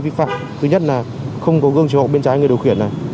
thứ nhất là không có gương trường học bên trái người điều khiển này